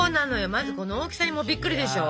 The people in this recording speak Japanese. まずこの大きさにもびっくりでしょ？